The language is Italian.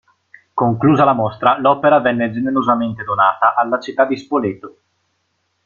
Conclusa la mostra, l'opera venne generosamente donata alla città di Spoleto.